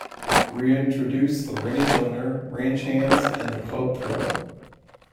Re-introduce the Ranch-owner, Ranch-hands and the Club Pro.